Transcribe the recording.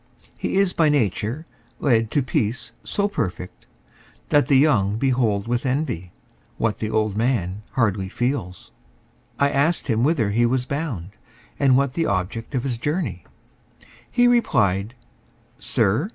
He is by nature led To peace so perfect, that the young behold With envy, what the old man hardly feels. —I asked him whither he was bound, and what The object of his journey; he replied "Sir!